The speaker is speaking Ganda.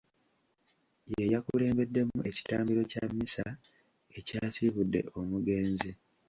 Ye yakuliddemu ekitambiro kya mmisa ekyasiibudde omugenzi